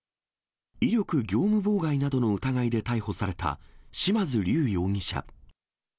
威力業務妨害などの疑いで逮捕された嶋津龍容疑者。